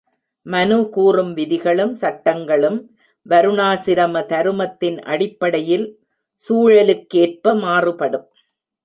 மனு கூறும் விதிகளும் சட்டங்களும் வருணாசிரம தருமத்தின் அடிப்படையில் சூழலுக்கேற்ப மாறுபடும்.